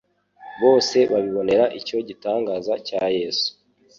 bose bibonera icyo gitangaza cya Yesu.